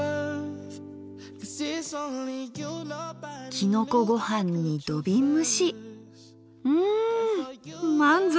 きのこごはんに土瓶蒸しうん満足。